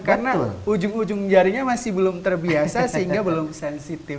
karena ujung ujung jarinya masih belum terbiasa sehingga belum sensitif